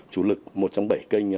chủ lực một trong bảy kênh